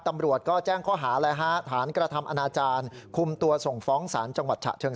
ทำไมเดินเข้าห้องน้ำผู้หญิง